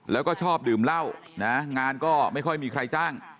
แล้วก็ชอบดื่มเหล้านะงานก็ไม่ค่อยมีใครจ้าง